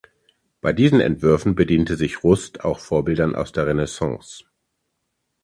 Bei diesen Entwürfen bediente sich Rust auch Vorbildern aus der Renaissance.